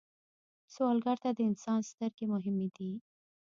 سوالګر ته د انسان سترګې مهمې دي